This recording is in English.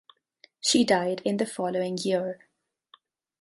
She died in the following year.